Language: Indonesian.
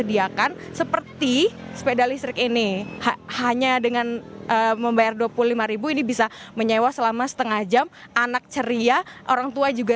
ini hanya dengan membayar rp dua puluh lima ini bisa menyewa selama setengah jam anak ceria orang tua juga